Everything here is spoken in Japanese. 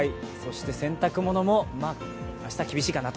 洗濯物も明日は厳しいかなと。